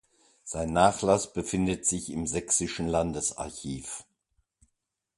Sein Nachlass befindet sich im sächsischen Landesarchiv.